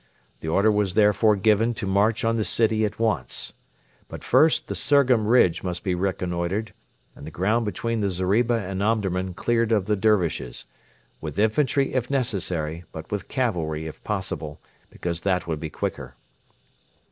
The order was therefore given to march on the city at once. But first the Surgham ridge must be reconnoitred, and the ground between the zeriba and Omdurman cleared of the Dervishes with infantry if necessary, but with cavalry if possible, because that would be quicker.